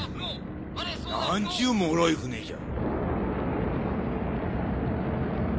なんちゅうもろい船じゃ。